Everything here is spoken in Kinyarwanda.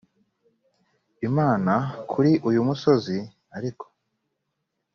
imana kuri uyu musozi ariko